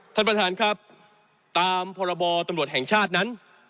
ท่านประธานครับตามพรบตำรวจแห่งชาตินั้น